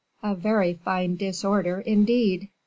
"A very fine disorder, indeed!